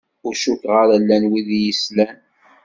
Ur cukkeɣ ara llan wid i s-yeslan.